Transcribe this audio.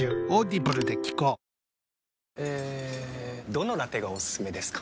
どのラテがおすすめですか？